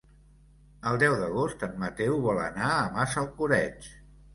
El deu d'agost en Mateu vol anar a Massalcoreig.